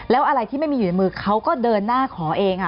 แล้วอะไรที่ไม่มีอยู่ในมือเขาก็เดินหน้าขอเอง